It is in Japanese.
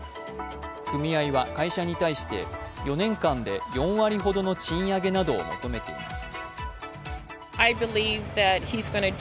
組合は会社に対して４年間で４割ほどの賃上げなどを求めています。